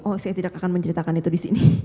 oh saya tidak akan menceritakan itu di sini